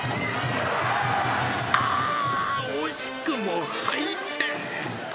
ああ、惜しくも敗戦。